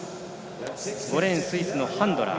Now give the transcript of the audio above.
５レーンスイスのハンドラー。